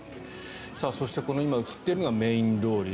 そして今映っているのがメイン通り。